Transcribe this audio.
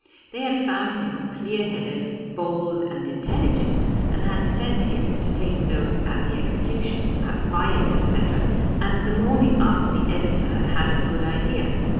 They had found him clear headed, bold, and intelligent, and had sent him to take notes at the executions, at fires, etc., and the morning after the editor had a good idea.